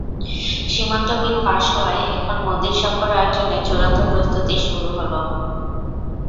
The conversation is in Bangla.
সীমান্ত বিল পাস হওয়ায় এখন মোদির সফর আয়োজনের চূড়ান্ত প্রস্তুতি শুরু হলো।